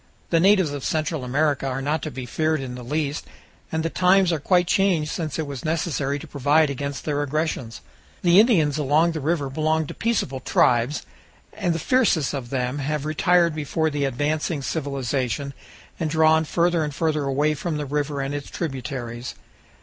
The natives of Central America are not to be feared in the least, and the times are quite changed since it was necessary to provide against their aggressions. The Indians along the river belong to peaceable tribes, and the fiercest of them have retired before the advancing civilization, and drawn further and further away from the river and its tributaries.